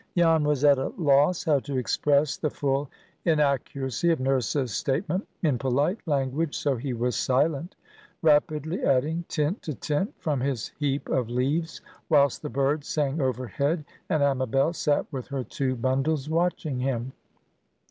Jan was at a loss how to express the full inaccuracy of Nurse's statement in polite language, so he was silent; rapidly adding tint to tint from his heap of leaves, whilst the birds sang overhead, and Amabel sat with her two bundles watching him.